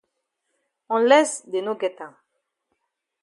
Unless dey no get am.